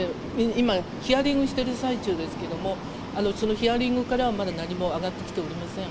今、ヒアリングしている最中ですけれども、そのヒアリングからは、まだ何も上がってきておりません。